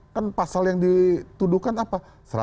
kan pasal yang dituduhkan apa